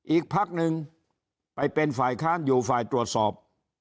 อีกพักหนึ่งไปเป็นฝ่ายค้านอยู่ฝ่ายตรวจสอบ